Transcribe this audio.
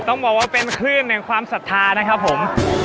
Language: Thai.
ต้องบอกว่าเป็นขึ้นในความศรัทธานะครับผม